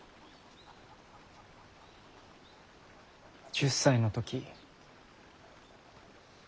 １０歳の時。